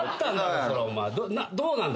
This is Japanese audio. どうなんだ？